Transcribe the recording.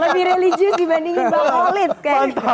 lebih religius dibandingin bakolit kayaknya